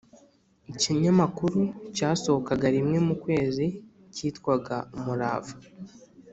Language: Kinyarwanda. ikinyamakuru cyasohokaga rimwe mu kwezi kitwaga Umurava